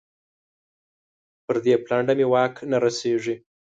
پر دې پلنډه مې واک نه رسېږي.